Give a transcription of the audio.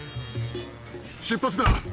出発だ。